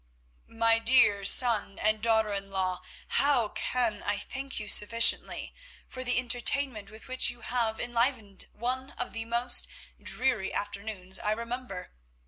"My dear son and daughter in law, how can I thank you sufficiently for the entertainment with which you have enlivened one of the most dreary afternoons I remember.